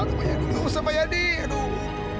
aduh bayang dulu sampai adik aduh